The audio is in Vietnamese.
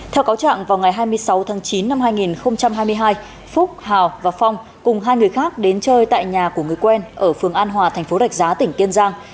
theo cáo trạng vào ngày hai mươi sáu tháng chín năm hai nghìn hai mươi hai phúc hào và phong cùng hai người khác đến chơi tại nhà của người quen ở phường an hòa thành phố rạch giá tỉnh kiên giang